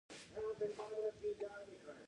سمندر نه شتون د افغانستان د کلتوري میراث برخه ده.